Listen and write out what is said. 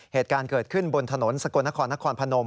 เหตุการณ์เกิดขึ้นบนถนนสกลนครนครพนม